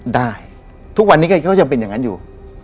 ได้ทุกวันนี้ก็ยังเป็นอย่างนั้นอยู่